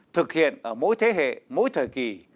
thực hiện ở mỗi thế hệ mỗi thời kỳ